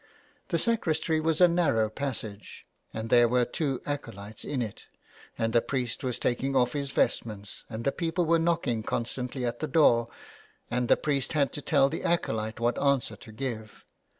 The sacristy was a narrow passage, and there were two acolytes in it, and the priest was taking off his vestments, and people were knocking constantly at the door, and the priest had to tell the acolyte what answer to give.